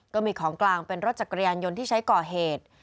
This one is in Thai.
ก็มีของกลางเป็นรถจักรยานยนต์ที่ใช้ก่อเหตุ